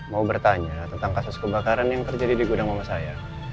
mau bertanya tentang kasus kebakaran yang terjadi di gudang mama saya